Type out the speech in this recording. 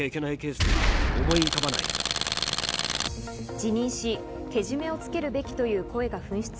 辞任し、けじめをつけるべきという声が噴出。